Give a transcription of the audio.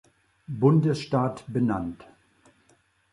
Bundesstaat benannt.